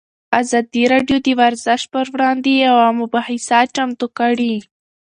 ازادي راډیو د ورزش پر وړاندې یوه مباحثه چمتو کړې.